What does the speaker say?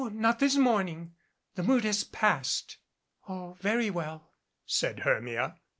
Not this morning. The mood has passed." "Oh, very well," said Hermia.